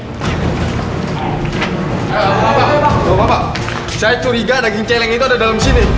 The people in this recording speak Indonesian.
saya curiga daging caleng itu ada di dalam sini